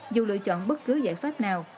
dù lựa chọn bất cứ giải pháp nào